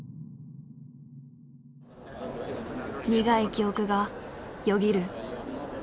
苦い記憶がよぎる。